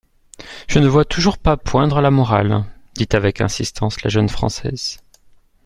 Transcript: Je ne vois toujours pas poindre la morale, dit avec insistance la jeune Française.